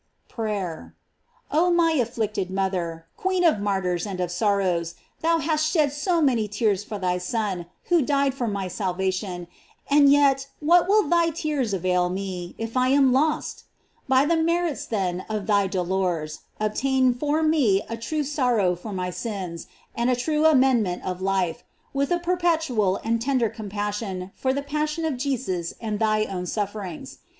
PRAYER. Oh my afflicted mother! queen of martyrs and of sorrows, thou hast shed so many tears for thy Son, who died for my salvation, and yet what will thy tears avail me, if I am lost? By the merits, then, of thy dolors, obtain for me a true sorrow for my sins, and a true amend ment of life, with a perpetual and tender com passion for the passion of Jesus and thy own sufferings.